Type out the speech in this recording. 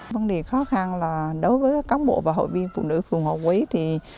vấn đề khó khăn là đối với các bộ và hội viên phụ nữ phụ nữ hội quý thì